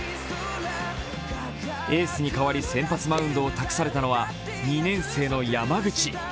エースに代わり先発マウンドを託されたのは２年生の山口。